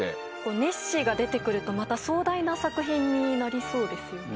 ネッシーが出てくると、また壮大な作品になりそうですよね。